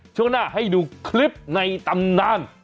ช่วงหน้าให้ดูคลิปในตำนาน